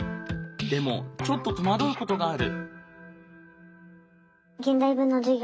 でもちょっと戸惑うことがある。